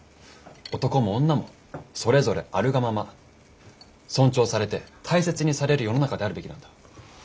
男も女もそれぞれあるがまま尊重されて大切にされる世の中であるべきなんだ。